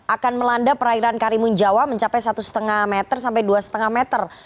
akan melanda perairan karimun jawa mencapai satu lima meter sampai dua lima meter